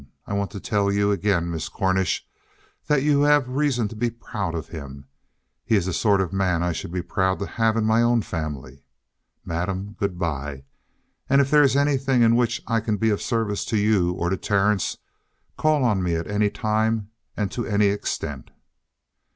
I want to tell you again, Miss Cornish, that you have reason to be proud of him. He is the sort of man I should be proud to have in my own family. Madam, good by. And if there is anything in which I can be of service to you or to Terence, call on me at any time and to any extent."